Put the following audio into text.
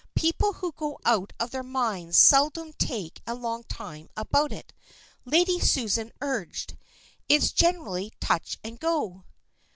People who go out of their minds seldom take a long time about it, Lady Susan urged. "It's generally touch and go."